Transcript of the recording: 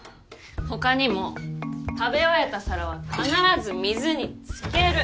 他にも食べ終えた皿は必ず水に漬ける。